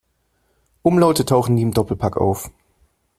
Umlaute tauchen nie im Doppelpack auf.